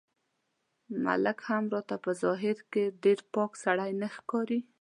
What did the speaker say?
ملک هم راته په ظاهر کې ډېر پاک سړی نه ښکاري.